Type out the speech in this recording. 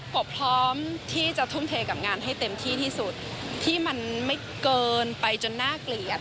บพร้อมที่จะทุ่มเทกับงานให้เต็มที่ที่สุดที่มันไม่เกินไปจนน่าเกลียด